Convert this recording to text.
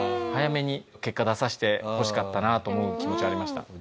早めに結果出させてほしかったなと思う気持ちはありました。